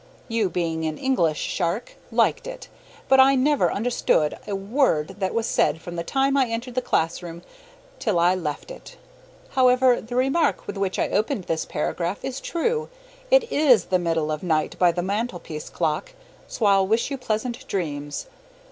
You, being an English shark, liked it; but I never understood a word that was said from the time I entered the classroom till I left it. However, the remark with which I opened this paragraph is true. It IS the middle of night by the mantelpiece clock, so I'll wish you pleasant dreams.